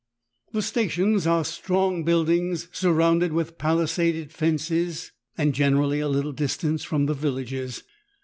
The stations are strong buildings surrounded with palisaded fences, and generally a little distance from the villages.